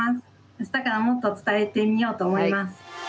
明日からもっと伝えてみようと思います。